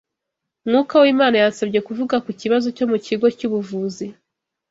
Mwuka w’Imana yansabye kuvuga ku kibazo cyo mu kigo cy’ubuvuzi